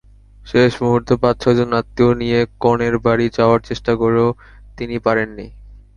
শেষ মুহূর্তে পাঁচ-ছয়জন আত্মীয় নিয়ে কনের বাড়ি যাওয়ার চেষ্টা করেও তিনি পারেননি।